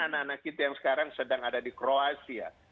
anak anak kita yang sekarang sedang ada di kroasia